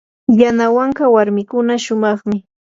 yanawanka warmikuna shumaqmi.